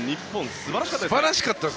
素晴らしかったですね。